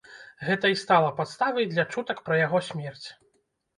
Гэта і стала падставай для чутак пра яго смерць.